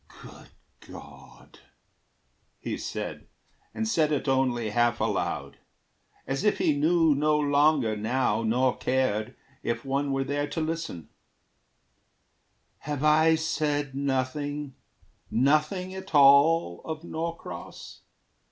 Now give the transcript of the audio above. "Good God!" He said, and said it only half aloud, As if he knew no longer now, nor cared, If one were there to listen: "Have I said nothing Nothing at all of Norcross?